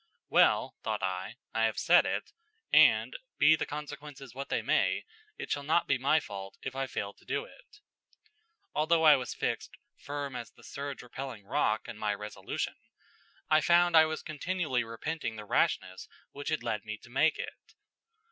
'Well,' thought I, 'I have said it, and, be the consequences what they may, it shall not be my fault if I fail to do it....' All this while, although I was fixed 'firm as the surge repelling rock' in my resolution, I found I was continually repenting the rashness which had led me to make it.